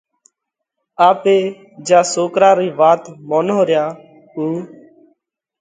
آپي جيا سوڪرا رئِي وات ڪرونه ريا اُو